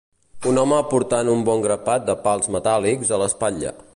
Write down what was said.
Un home portant un bon grapat de pals metàl·lics a l'espatlla.